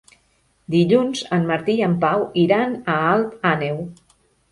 Dilluns en Martí i en Pau iran a Alt Àneu.